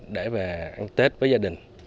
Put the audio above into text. để về ăn tết với gia đình